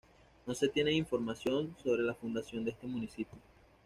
No se tienen información sobre la fundación de este Municipio.